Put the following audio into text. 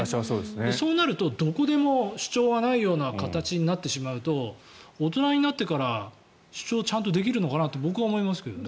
そうなるとどこでも主張がないような形になってしまうと大人になってから主張、ちゃんとできるのかなと僕は思いますけどね。